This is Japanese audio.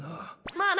まあな。